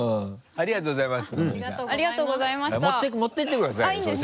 ありがとうございます。